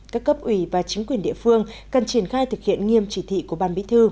các cấp ủy và chính quyền địa phương cần triển khai thực hiện nghiêm chỉ thị của ban bí thư